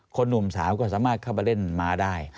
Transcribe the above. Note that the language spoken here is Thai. หนุ่มสาวก็สามารถเข้ามาเล่นม้าได้